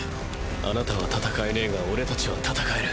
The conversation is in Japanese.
あなたは戦えねえが俺たちは戦える。